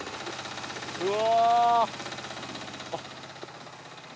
うわ。